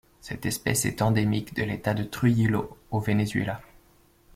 Cette espèce est endémique de l'État de Trujillo au Venezuela.